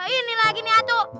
ini lagi nih atu